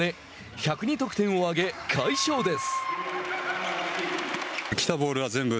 １０２得点を上げ快勝です。